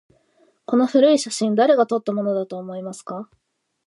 この古い写真、誰が撮ったものだと思いますか？